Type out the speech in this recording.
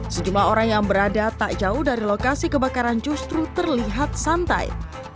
sejumlah orang yang berada tak jauh dari lokasi kebakaran justru terlihat santai